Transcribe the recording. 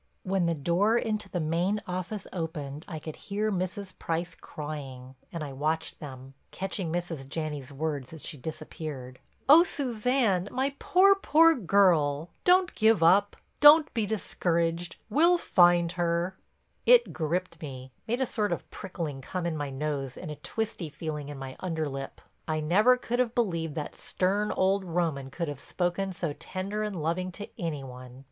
When the door into the main office opened I could hear Mrs. Price crying, and I watched them, catching Mrs. Janney's words as she disappeared: "Oh, Suzanne, my poor, poor, girl! Don't give up—don't be discouraged—we'll find her!" It gripped me, made a sort of prickling come in my nose and a twisty feeling in my under lip. I never could have believed that stern old Roman could have spoken so tender and loving to any one.